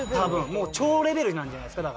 もう兆レベルなんじゃないですか？